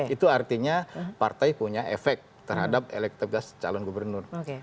itu artinya partai punya efek terhadap elektabilitas calon gubernur